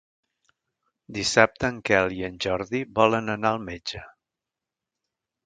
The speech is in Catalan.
Dissabte en Quel i en Jordi volen anar al metge.